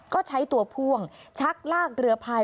ก็ใช้ตัวพ่วงชักลากเรือพาย